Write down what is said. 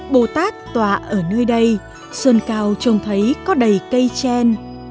bồ tát tọa ở nơi đây sơn cao trông thấy có đầy cây tre